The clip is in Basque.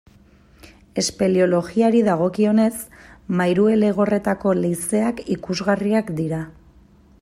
Espeleologiari dagokionez, Mairuelegorretako leizeak ikusgarriak dira.